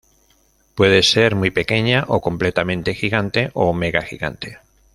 Puede ser muy pequeña o completamente gigante o mega gigante.